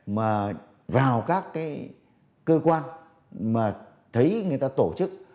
mà vào các cái cơ quan mà thấy người ta tổ chức